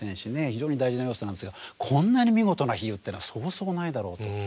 非常に大事な要素なんですがこんなに見事な比喩っていうのはそうそうないだろうと。